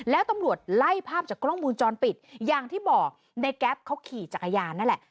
แล้วตำรวจไล่ภาพจากกล้องมูลจรปิดอย่างที่บอกในแก๊ปเขาขี่จักรยานนั่นแหละ